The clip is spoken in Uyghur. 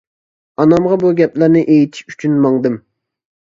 ئانامغا بۇ گەپلەرنى ئېيتىش ئۈچۈن ماڭدىم.